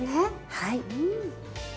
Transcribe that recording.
はい。